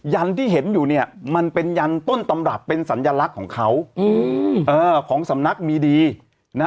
ยันที่เห็นอยู่เนี่ยมันเป็นยันต้นตำรับเป็นสัญลักษณ์ของเขาอืมเออของสำนักมีดีนะ